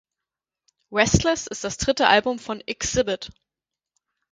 Restless ist das dritte Album von Xzibit.